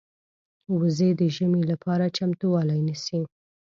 وزې د ژمې لپاره چمتووالی نیسي